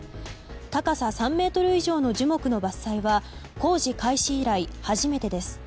高さ３ｍ以上の樹木の伐採は工事開始以来初めてです。